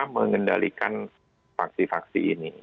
mengendalikan faksi faksi ini